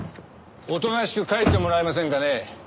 おとなしく帰ってもらえませんかね。